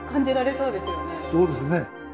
そうですね。